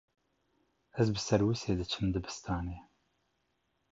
Ez bi serwîsê diçim dibistanê.